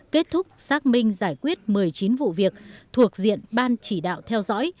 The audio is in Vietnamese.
kết thúc xác minh giải quyết một mươi chín vụ việc thuộc diện ban chỉ đạo theo dõi